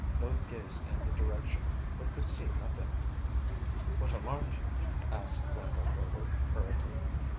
Both gazed in the direction, but could see nothing. "What alarmed you?" asked Randolph Rover hurriedly.